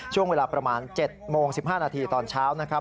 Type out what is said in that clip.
ช่วงเวลาประมาณ๗โมง๑๕นาทีตอนเช้านะครับ